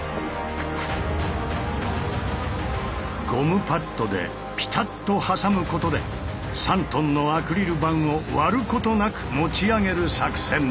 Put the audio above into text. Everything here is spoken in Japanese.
ゴムパッドでピタッと挟むことで３ｔのアクリル板を割ることなく持ち上げる作戦だ。